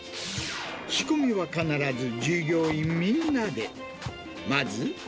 仕込みは必ず従業員みんなで。